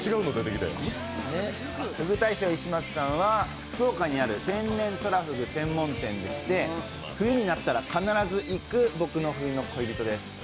ふぐ大将いし松さんは福岡にあるふぐ料理専門店で冬になったら必ず行く僕の冬の恋人です。